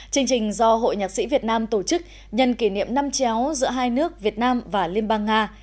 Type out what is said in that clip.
chương trình do hội nhạc sĩ việt nam tổ chức nhân kỷ niệm năm chéo giữa hai nước việt nam và liên bang nga